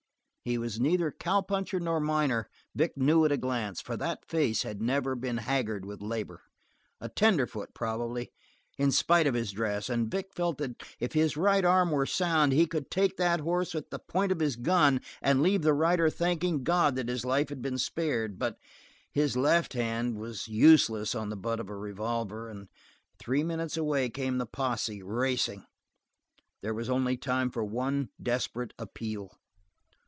He was neither cowpuncher nor miner, Vic knew at a glance, for that face had never been haggard with labor. A tenderfoot, probably, in spite of his dress, and Vic felt that if his right arm were sound he could take that horse at the point of his gun and leave the rider thanking God that his life had been spared; but his left hand was useless on the butt of a revolver, and three minutes away came the posse, racing. There was only time for one desperate appeal.